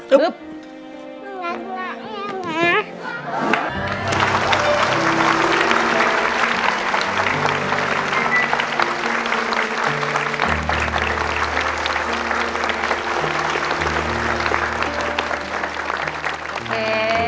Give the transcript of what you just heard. รักมากแม่งแม่